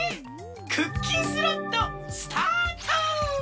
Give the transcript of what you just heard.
クッキンスロットスタート！